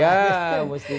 ya mesti ya